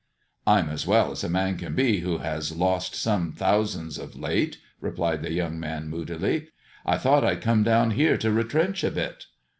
" I'm as well as a man can be who has lost some thou sands of late," replied the young man moodily. I thought I'd come down here to retrench a bit."